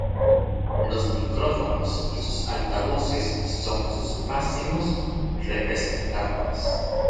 Los micrófonos y altavoces son sus máximos representantes.